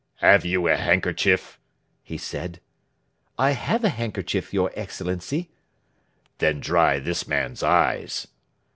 "Have you a handkerchief?" he said. "I have a handkerchief, your Excellency." "Then dry this man's eyes."